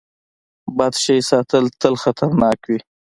بد شی ساتل تل خطرناک وي.